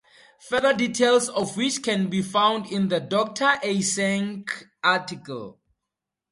Further details of which can be found in the Doctor Eysenck article.